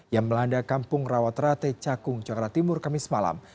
yang melanda kampung rawaterate cakung cakera timur kamis malam